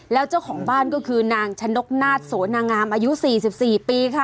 แล้วเจ้าของบ้านก็คือนางชะนกนาฏโสนางามอายุ๔๔ปีค่ะ